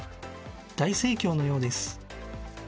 大盛況のようです］